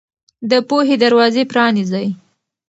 د پوهې دروازې پرانيزئ.